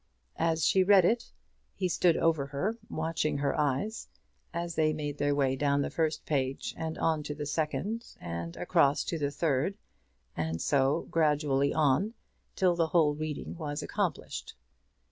As she read it, he stood over her, watching her eyes, as they made their way down the first page and on to the second, and across to the third, and so, gradually on, till the whole reading was accomplished.